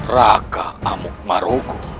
raka amuk marunggu